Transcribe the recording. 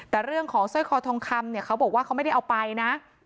แต่เรื่องของสร้อยคอทองคำเนี่ยเขาบอกว่าเขาไม่ได้เอาไปนะ